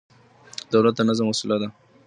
دولت د نظم وسيله ده.